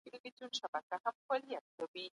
که هغه مرتد سوی نه وای نو نه به وژل کیده.